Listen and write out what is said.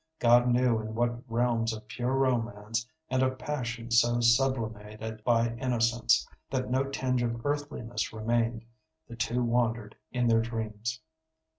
God knew in what realms of pure romance, and of passion so sublimated by innocence that no tinge of earthliness remained, the two wandered in their dreams.